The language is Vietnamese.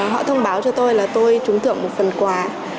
họ thông báo cho tôi là tôi trúng thưởng một phần quà